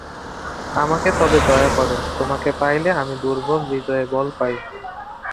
আমাকে তবে দয়া করো, তোমাকে পাইলে আমি দুর্বল হৃদয়ে বল পাই।